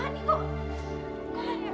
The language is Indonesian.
ada apaan ini om